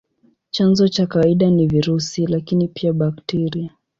Chanzo cha kawaida ni virusi, lakini pia bakteria.